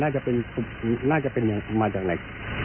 สาเหตุจริงมาจากไหน